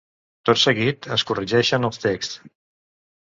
Tot seguit, es corregeixen els texts.